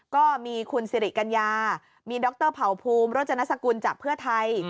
ก็มีคุณสิริกัญญามีดรเผ่าภูมิโรจนสกุลจากเพื่อไทย